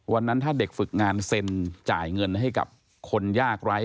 วันนั้นถ้าเด็กฝึกงานเซ็นจ่ายเงินให้กับคนยากไร้